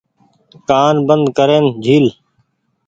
ڪآن بند ڪرين جهيل۔